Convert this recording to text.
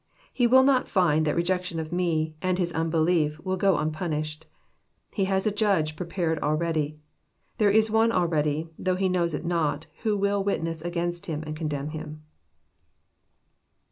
He will not find that rejection of Me, and his unbelief, will go unpunished. He has a Judge prepared already. There is one already, though he knows it not, who will witness against him and condemn him."